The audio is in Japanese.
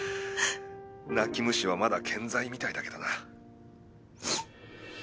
泣き虫はまだ健在みたいだけどな。